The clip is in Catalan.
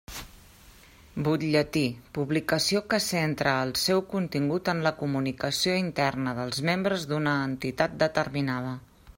Butlletí: publicació que centra el seu contingut en la comunicació interna dels membres d'una entitat determinada.